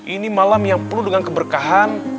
ini malam yang penuh dengan keberkahan